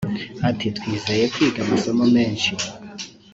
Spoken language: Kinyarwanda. Ati “Twizeye kwiga amasomo menshi